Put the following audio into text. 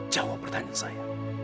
jawab pertanyaan saya